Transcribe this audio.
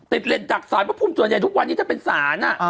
ติดเหล็กดัดศห์พระพุมจวาทนี้จะเป็นศานอ่ะ